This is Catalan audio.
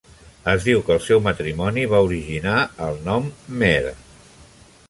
Es diu que el seu matrimoni va originar el nom "khmer".